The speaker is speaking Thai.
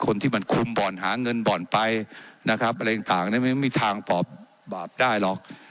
คนที่มันคุมบ่อนหาเงินบ่อนไปนะครับอะไรต่างเนี่ยไม่มีทางปอบบาปได้หรอก